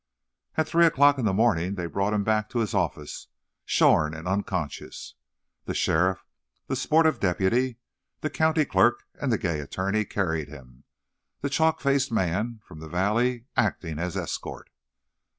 At three o'clock in the morning they brought him back to his office, shorn and unconscious. The sheriff, the sportive deputy, the county clerk, and the gay attorney carried him, the chalk faced man "from the valley" acting as escort.